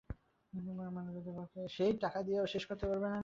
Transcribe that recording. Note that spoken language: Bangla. যুক্তিপরায়ণ মানবজাতির পক্ষে এই সিদ্ধান্ত-অবলম্বন ব্যতীত গত্যন্তর নাই।